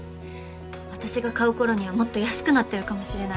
私が買うころにはもっと安くなってるかもしれない。